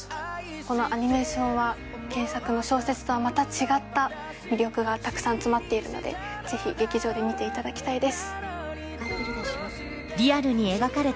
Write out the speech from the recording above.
このアニメーションは原作の小説とはまた違った魅力がたくさん詰まっているのでぜひ劇場で見ていただきたいです。